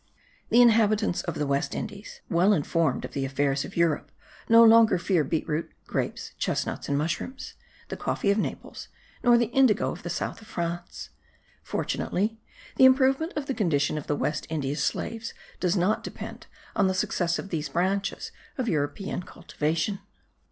The inhabitants of the West Indies, well informed of the affairs of Europe, no longer fear beet root, grapes, chesnuts, and mushrooms, the coffee of Naples nor the indigo of the south of France. Fortunately the improvement of the condition of the West India slaves does not depend on the success of these branches of European cultivation.